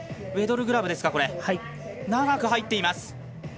ウェドルグラブ長く入っています。